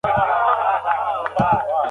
موږ هره ورځ پر ځمکه ژوند کوو.